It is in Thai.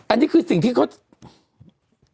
อันนี้คือสิ่งที่เขา